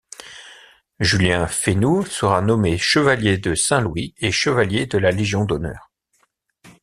Julien Fénoux sera nommé chevalier de St-Louis et chevalier de la Légion d'honneur.